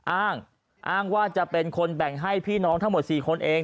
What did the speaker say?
อ้างอ้างว่าจะเป็นคนแบ่งให้พี่น้องทั้งหมด๔คนเอง